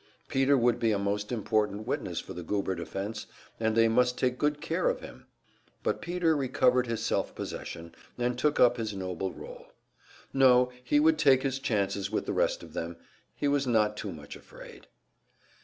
Peter would be a most important witness for the Goober defense, and they must take good care of him. But Peter recovered his self possession, and took up his noble role. No, he would take his chances with the rest of them, he was not too much afraid.